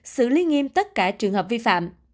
xử lý nghiêm tất cả trường hợp vi phạm